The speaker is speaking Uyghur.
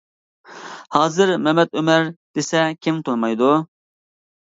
ھازىر مەمەت ئۆمەر دېسە كىم تونۇمايدۇ!